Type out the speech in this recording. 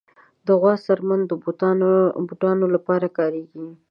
د غوا څرمن د بوټانو لپاره کارېږي.